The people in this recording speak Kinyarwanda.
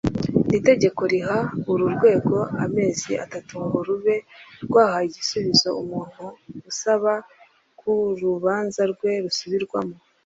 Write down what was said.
Iri tegeko riha uru rwego amezi atatu ngo rube rwahaye igisubizo umuntu usaba ko urubanza rwe rusubirwamo